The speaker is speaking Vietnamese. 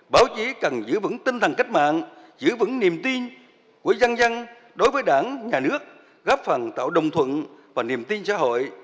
báo chí cần giữ vững tinh thần cách mạng giữ vững niềm tin của dân dân đối với đảng nhà nước góp phần tạo đồng thuận và niềm tin xã hội